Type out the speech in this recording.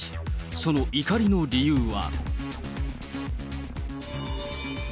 その怒りの理由は。